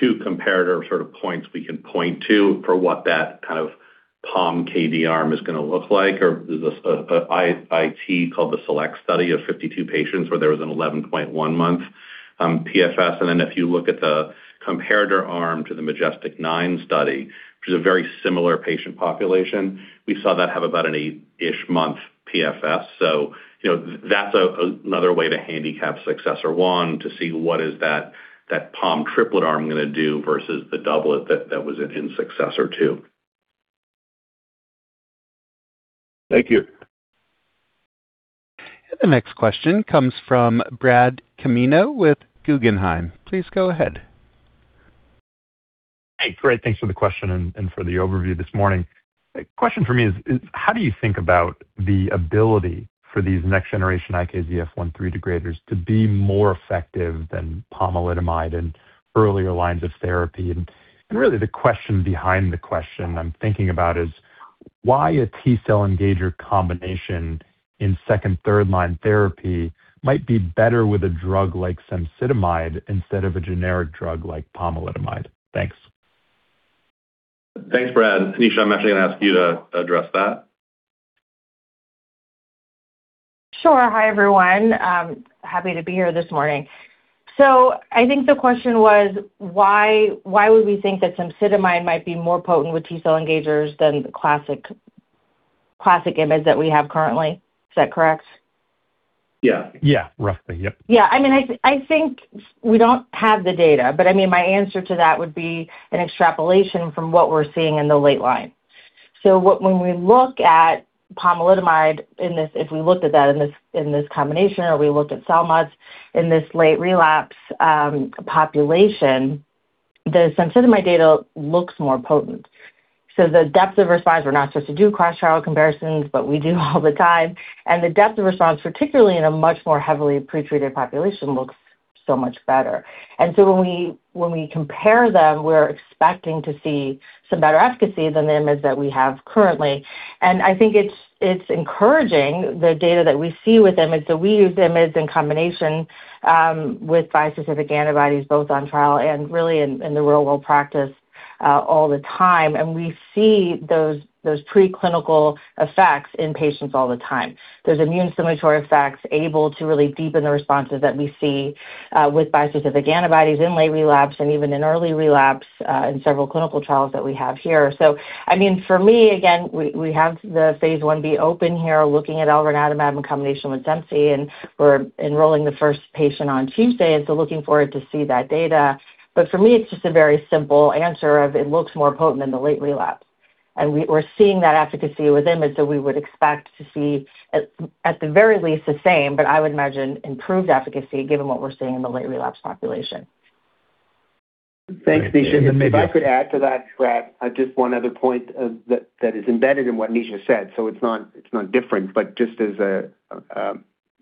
two comparator points we can point to for what that kind of POM Kd arm is going to look like or there's a study called the SELECT study of 52 patients where there was an 11.1 month PFS. If you look at the comparator arm to the MajesTEC-9 study, which is a very similar patient population, we saw that have about an eight-ish month PFS. That's another way to handicap SUCCESSOR-1 to see what is that POM triplet arm going to do versus the doublet that was in SUCCESSOR-2. Thank you. The next question comes from Bradley Canino with Guggenheim. Please go ahead. Hey, great. Thanks for the question and for the overview this morning. Question for me is how do you think about the ability for these next generation IKZF1/3 degraders to be more effective than pomalidomide in earlier lines of therapy? Really the question behind the question I'm thinking about is why a T-cell engager combination in second, third-line therapy might be better with a drug like cemsidomide instead of a generic drug like pomalidomide? Thanks. Thanks, Brad. Nisha, I'm actually going to ask you to address that. Sure. Hi, everyone. Happy to be here this morning. I think the question was why would we think that cemsidomide might be more potent with T-cell engagers than the classic IMiDs that we have currently. Is that correct? Yeah. Yeah, roughly. Yeah. I think we don't have the data, but my answer to that would be an extrapolation from what we're seeing in the late line. When we look at pomalidomide in this, if we looked at that in this combination, or we looked at CELMoDs in this late relapse population, the cemsidomide data looks more potent. The depth of response, we're not supposed to do cross trial comparisons, but we do all the time. The depth of response, particularly in a much more heavily pre-treated population, looks so much better. When we compare them, we're expecting to see some better efficacy than the IMiDs that we have currently. I think it's encouraging the data that we see with IMiDs, that we use IMiDs in combination, with bispecific antibodies, both on trial and really in the real world practice all the time. We see those pre-clinical effects in patients all the time. Those immune stimulatory effects able to really deepen the responses that we see with bispecific antibodies in late relapse and even in early relapse, in several clinical trials that we have here. For me, again, we have the phase I-B open here looking at elranatamab in combination with cemsidomide, we're enrolling the first patient on Tuesday, looking forward to see that data. For me, it's just a very simple answer of it looks more potent than the late relapse. We're seeing that efficacy with IMiDs, we would expect to see, at the very least the same, I would imagine improved efficacy given what we're seeing in the late relapse population. Thanks, Nisha. If I could add to that, Brad, just one other point that is embedded in what Nisha said. It's not different, just as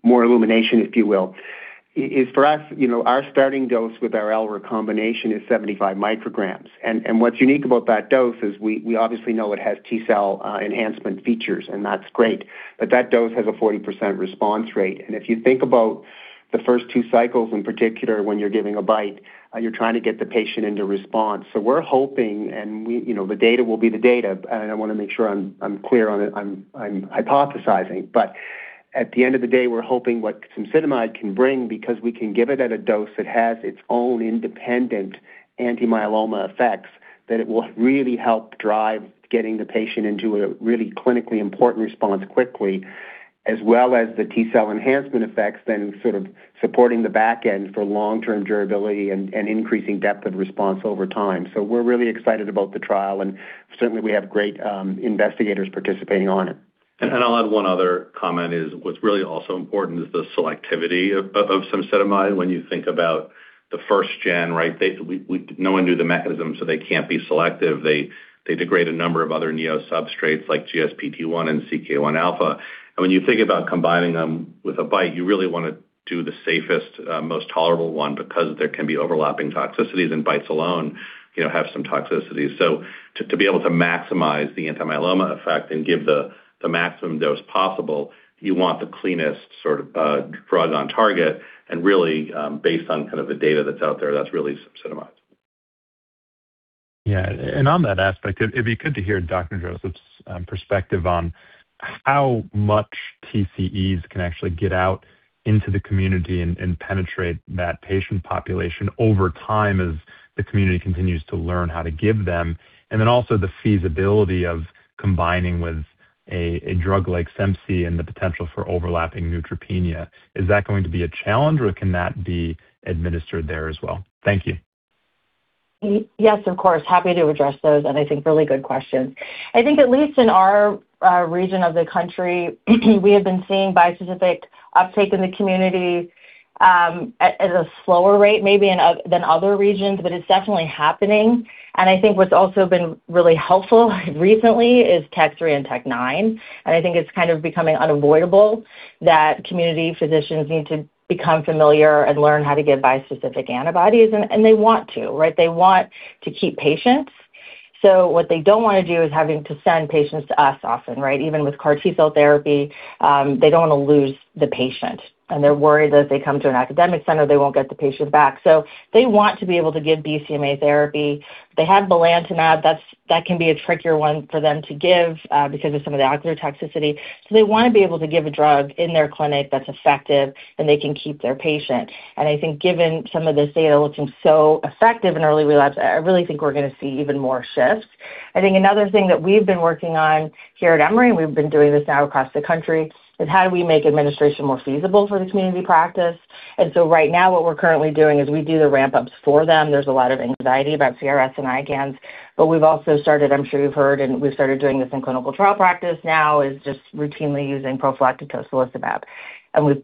more illumination, if you will, is for us, our starting dose with our ELR combination is 75 micrograms. What's unique about that dose is we obviously know it has T-cell enhancement features, that's great, that dose has a 40% response rate. If you think about the first two cycles. In particular, when you're giving a BiTE, you're trying to get the patient into response. We're hoping, the data will be the data, I want to make sure I'm clear on it, I'm hypothesizing. At the end of the day, we're hoping what cemsidomide can bring, because we can give it at a dose that has its own independent anti-myeloma effects, that it will really help drive getting the patient into a really clinically important response quickly, as well as the T-cell enhancement effects, sort of supporting the back end for long-term durability and increasing depth of response over time. We're really excited about the trial. Certainly, we have great investigators participating on it. I'll add one other comment is what's really also important is the selectivity of cemsidomide. When you think about the first-gen, no one knew the mechanism, so they can't be selective. They degrade a number of other neo substrates like GSPT1 and CK1α. When you think about combining them with a BiTE, you really want to do the safest most tolerable one because there can be overlapping toxicities, and BiTEs alone have some toxicities. To be able to maximize the anti-myeloma effect and give the maximum dose possible, you want the cleanest sort of drug on target and really based on the data that's out there, that's really cemsidomide. Yeah. On that aspect, it'd be good to hear Dr. Joseph's perspective on how much TCEs can actually get out into the community and penetrate that patient population over time as the community continues to learn how to give them. Then also the feasibility of combining with a drug like cemzi and the potential for overlapping neutropenia. Is that going to be a challenge, or can that be administered there as well? Thank you. Yes, of course. Happy to address those, and I think really good questions. I think at least in our region of the country we have been seeing bispecific uptake in the community, at a slower rate maybe than other regions, but it's definitely happening. I think what's also been really helpful recently is TEC3 and TEC9. I think it's kind of becoming unavoidable that community physicians need to become familiar and learn how to give bispecific antibodies, and they want to, right? They want to keep patients. What they don't want to do is having to send patients to us often, right? Even with CAR T-cell therapy, they don't want to lose the patient, and they're worried that if they come to an academic center, they won't get the patient back. They want to be able to give BCMA therapy. They have belantamab. That can be a trickier one for them to give because of some of the ocular toxicity. They want to be able to give a drug in their clinic that's effective, and they can keep their patient. I think given some of this data looking so effective in early relapse, I really think we're going to see even more shifts. I think another thing that we've been working on here at Emory, and we've been doing this now across the country, is how do we make administration more feasible for the community practice. Right now what we're currently doing is we do the ramp-ups for them. There's a lot of anxiety about CRS and ICANS, but we've also started, I'm sure you've heard, and we've started doing this in clinical trial practice now is just routinely using prophylactic tocilizumab.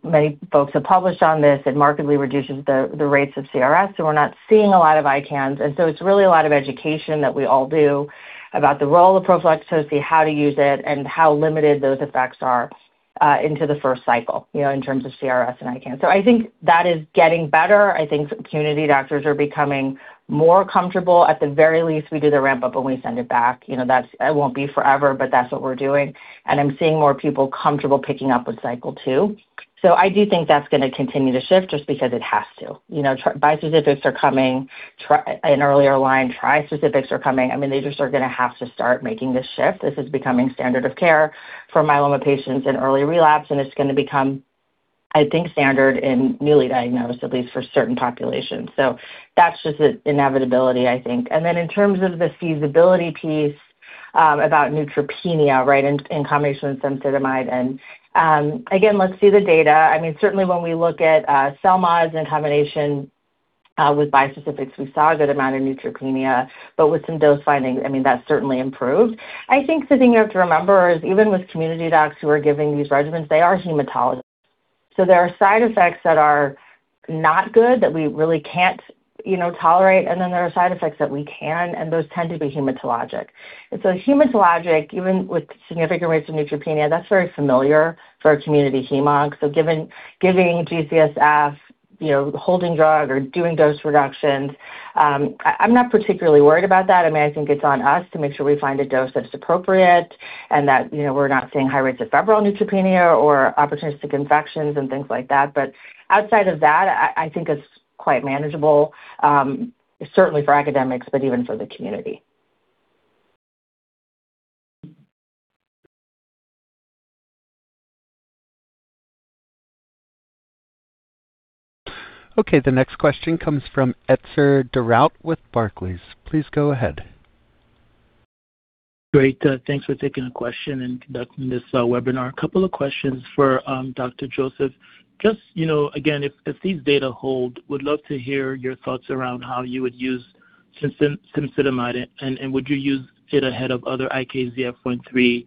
Many folks have published on this. It markedly reduces the rates of CRS, we're not seeing a lot of ICANS. It's really a lot of education that we all do about the role of prophylactic tocilizumab, how to use it, and how limited those effects are into the first cycle in terms of CRS and ICANS. I think that is getting better. I think community doctors are becoming more comfortable. At the very least, we do the ramp-up, and we send it back. It won't be forever, but that's what we're doing. I'm seeing more people comfortable picking up with cycle two. I do think that's going to continue to shift just because it has to. Bispecifics are coming in earlier line. Trispecifics are coming. They just are going to have to start making this shift. This is becoming standard of care for myeloma patients in early relapse, and it's going to become. I think, standard in newly diagnosed at least for certain populations. That's just an inevitability, I think. In terms of the feasibility piece about neutropenia in combination with cemsidomide, and again, let's see the data. Certainly, when we look at CELMoDs in combination with bispecifics, we saw a good amount of neutropenia, with some dose findings, that certainly improved. I think the thing you have to remember is even with community docs who are giving these regimens, they are hematologists. There are side effects that are not good, that we really can't tolerate, and then there are side effects that we can, and those tend to be hematologic. Hematologic, even with significant rates of neutropenia, that's very familiar for our community hemonc. Giving G-CSF, holding drug or doing dose reductions, I'm not particularly worried about that. I think it's on us to make sure we find a dose that's appropriate and that we're not seeing high rates of febrile neutropenia or opportunistic infections and things like that. Outside of that, I think it's quite manageable, certainly for academics, but even for the community. Okay, the next question comes from Etzer Darout with Barclays. Please go ahead. Great. Thanks for taking the question and conducting this webinar. A couple of questions for Dr. Joseph. Just, again, if these data hold, would love to hear your thoughts around how you would use cemsidomide, and would you use it ahead of other IKZF1/3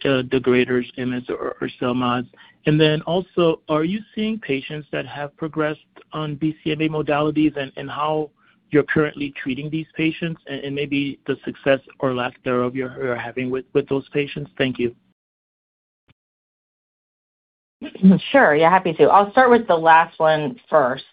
degraders, IMiDs or CELMoDs. Also, are you seeing patients that have progressed on BCMA modalities and how you're currently treating these patients, and maybe the success or lack thereof you're having with those patients? Thank you. Sure. Happy to. I'll start with the last one first.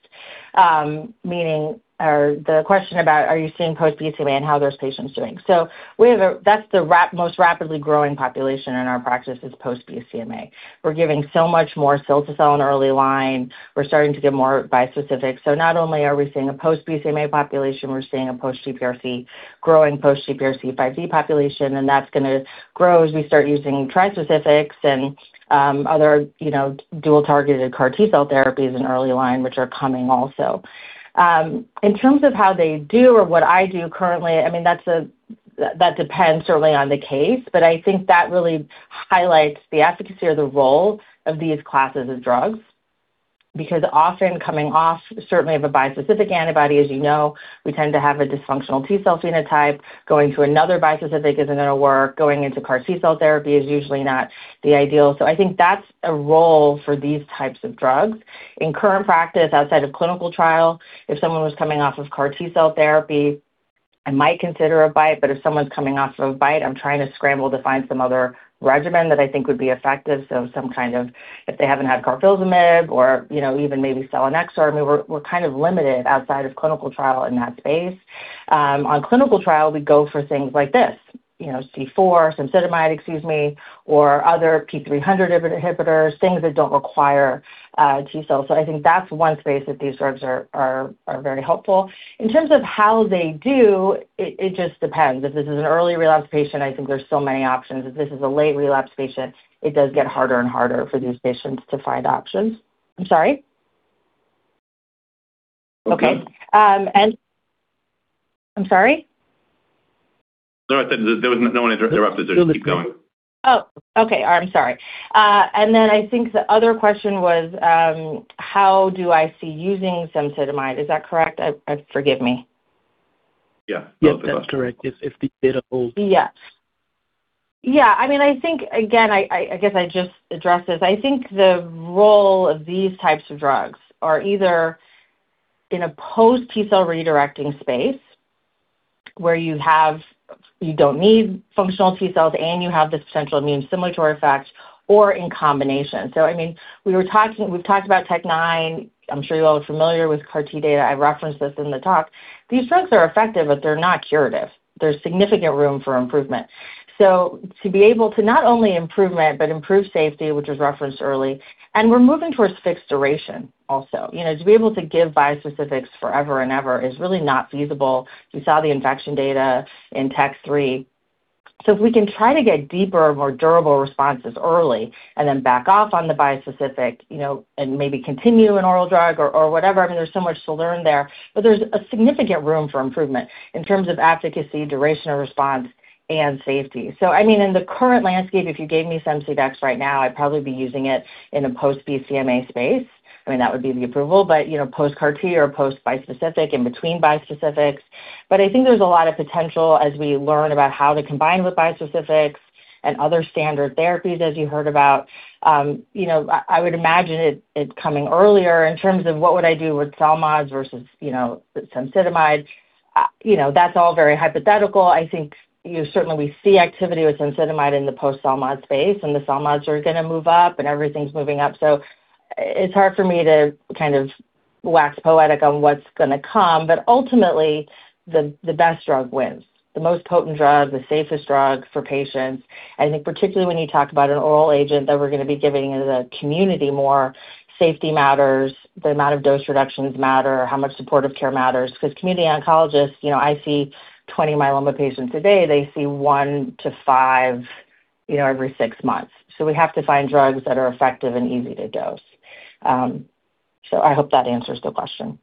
The question about are you seeing post-BCMA and how those patients doing. That's the most rapidly growing population in our practice, is post-BCMA. We're giving so much more cilta-cel in early line. We're starting to give more bispecifics. Not only are we seeing a post-BCMA population, we're seeing a post-GPRC, growing post-GPRC5D population, and that's going to grow as we start using trispecifics and other dual-targeted CAR T-cell therapies in early line, which are coming also. In terms of how they do or what I do currently, that depends certainly on the case, but I think that really highlights the efficacy or the role of these classes of drugs. Because often coming off, certainly of a bispecific antibody, as you know, we tend to have a dysfunctional T-cell phenotype. Going to another bispecific isn't going to work. Going into CAR T-cell therapy is usually not the ideal. I think that's a role for these types of drugs. In current practice, outside of clinical trial, if someone was coming off of CAR T-cell therapy, I might consider a BiTE, but if someone's coming off of a BiTE, I'm trying to scramble to find some other regimen that I think would be effective. If they haven't had carfilzomib or even maybe selinexor, we're kind of limited outside of clinical trial in that space. On clinical trial, we go for things like this C4, cemsidomide. Excuse me, or other p300 inhibitors, things that don't require T-cells. I think that's one space that these drugs are very helpful. In terms of how they do, it just depends. If this is an early relapse patient, I think there's so many options. If this is a late relapse patient, it does get harder and harder for these patients to find options. I'm sorry? Okay. I'm sorry? No, no one interrupted. Just keep going. Okay. All right, I'm sorry. I think the other question was, how do I see using cemsidomide? Is that correct? Forgive me. Yeah. That's correct. If the data holds. Yeah, I think, again, I guess I just addressed this. I think the role of these types of drugs are either in a post T-cell redirecting space, where you don't need functional T-cells and you have this potential immune stimulatory effect, or in combination. We've talked about MajesTEC-9. I'm sure you all are familiar with CAR T data. I referenced this in the talk. These drugs are effective, but they're not curative. There's significant room for improvement. To be able to not only improvement, but improve safety, which was referenced early, and we're moving towards fixed duration also. To be able to give bispecifics forever and ever is really not feasible. We saw the infection data in MajesTEC-3. If we can try to get deeper, more durable responses early and then back off on the bispecific, and maybe continue an oral drug or whatever, there's so much to learn there. There's a significant room for improvement in terms of efficacy, duration of response and safety. In the current landscape, if you gave me cemsidomide right now. I'd probably be using it in a post-BCMA space. That would be the approval, but post-CAR T or post-bispecific, in between bispecifics. I think there's a lot of potential as we learn about how to combine with bispecifics and other standard therapies, as you heard about. I would imagine it coming earlier in terms of what would I do with CELMoDs versus cemsidomide. That's all very hypothetical. I think certainly we see activity with cemsidomide in the post-CELMoD space, and the CELMoDs are going to move up, and everything's moving up. It's hard for me to wax poetic on what's going to come. Ultimately, the best drug wins. The most potent drug, the safest drug for patients. I think particularly when you talk about an oral agent that we're going to be giving in the community more, safety matters, the amount of dose reductions matter, how much supportive care matters. Community oncologists, I see 20 myeloma patients a day. They see one to five every six months. We have to find drugs that are effective and easy to dose. I hope that answers the question.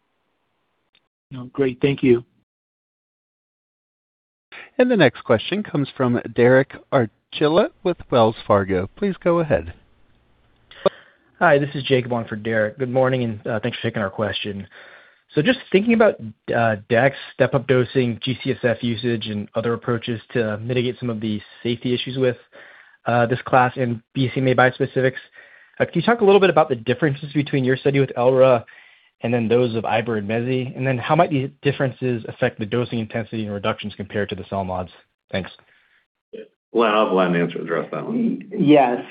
Great. Thank you. The next question comes from Derek Archila with Wells Fargo. Please go ahead. Hi, this is Jacob on for Derek. Good morning, and thanks for taking our question. Just thinking about dex step-up dosing, G-CSF usage, and other approaches to mitigate some of the safety issues with this class in BCMA bispecifics, can you talk a little bit about the differences between your study with Elra and then those of Iber and Messi? How might these differences affect the dosing intensity and reductions compared to the CELMoDs? Thanks. Well, I'll have Len answer and address that one. Yeah.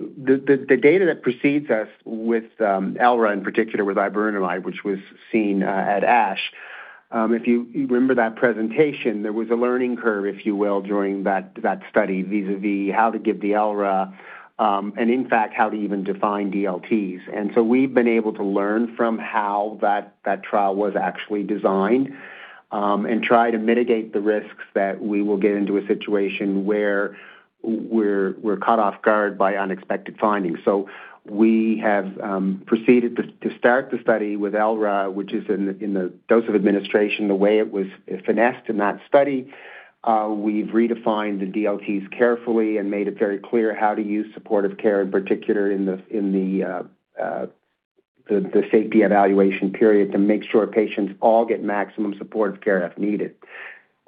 The data that precedes us with Elra, in particular with iberdomide, which was seen at ASH, if you remember that presentation, there was a learning curve, if you will, during that study, vis-a-vis how to give the Elra, and in fact how to even define DLTs. We've been able to learn from how that trial was actually designed, and try to mitigate the risks that we will get into a situation where we're caught off guard by unexpected findings. We have proceeded to start the study with Elra, which is in the dose of administration, the way it was finessed in that study. We've redefined the DLTs carefully and made it very clear how to use supportive care, in particular in the safety evaluation period, to make sure patients all get maximum supportive care if needed.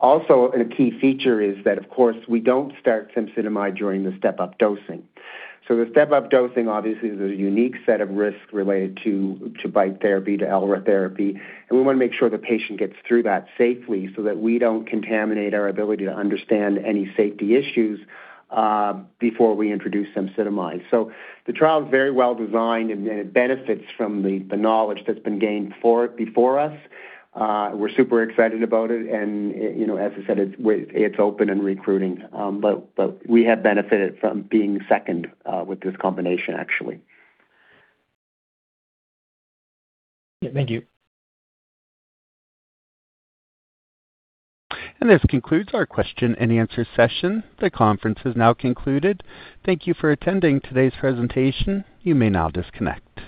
Also, a key feature is that, of course, we don't start cemsidomide during the step-up dosing. The step-up dosing obviously is a unique set of risks related to BiTE therapy, to Elra therapy, and we want to make sure the patient gets through that safely so that we don't contaminate our ability to understand any safety issues, before we introduce cemsidomide. The trial is very well designed, and it benefits from the knowledge that's been gained before us. We're super excited about it, and as I said, it's open and recruiting. We have benefited from being second with this combination, actually. Yeah. Thank you. This concludes our question and answer session. The conference is now concluded. Thank you for attending today's presentation. You may now disconnect.